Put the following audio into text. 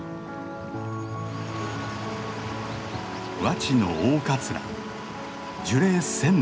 和池の大カツラ樹齢１，０００年。